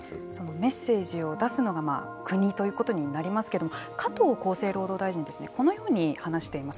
メッセージを出すのが国ということになりますけれども加藤厚生労働大臣はこのように話しています。